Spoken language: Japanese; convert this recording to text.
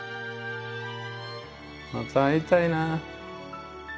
また会いたいな。